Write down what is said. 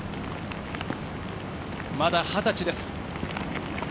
まだ２０歳です。